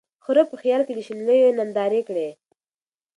خره په خیال کی د شنېلیو نندارې کړې